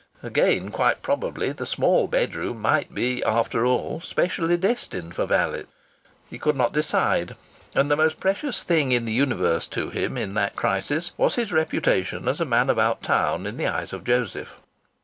Again, quite probably, the small bedroom might be, after all, specially destined for valets! He could not decide, and the most precious thing in the universe to him in that crisis was his reputation as a man about town in the eyes of Joseph.